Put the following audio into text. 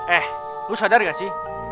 eh lu sadar gak sih